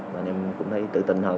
mà em cũng thấy tự tin hơn